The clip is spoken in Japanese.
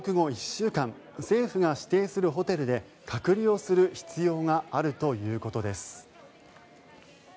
１週間政府が指定するホテルで隔離をする必要があるということです。